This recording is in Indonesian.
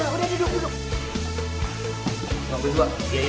udah duduk duduk